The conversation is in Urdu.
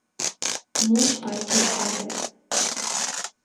منہ چھپائے پھرتاہے۔